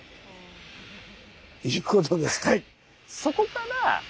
そこから。